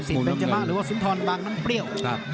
สิทธิ์เป็นจมะหรือว่าสุธรบางน้ำเปรี้ยว